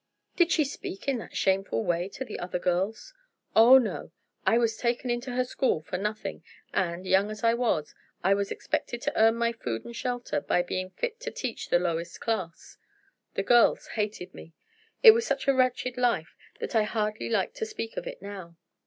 "Did she speak in that shameful way to the other girls?" "Oh, no! I was taken into her school for nothing, and, young as I was, I was expected to earn my food and shelter by being fit to teach the lowest class. The girls hated me. It was such a wretched life that I hardly like to speak of it now.